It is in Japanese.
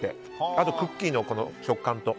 あとクッキーの食感と。